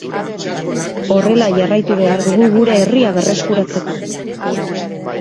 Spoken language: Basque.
Horrela jarraitu behar dugu gure herria berreskuratzeko.